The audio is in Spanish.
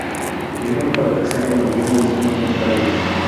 Migran para pasar el invierno en zonas más cálidas.